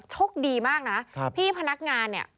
โชคดีมากนะพี่พนักงานเนี่ย